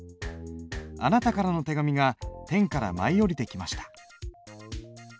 「あなたからの手紙が天から舞い降りてきました」。